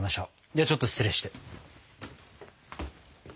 ではちょっと失礼して。